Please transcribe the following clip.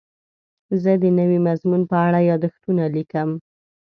زه د نوي مضمون په اړه یادښتونه لیکم.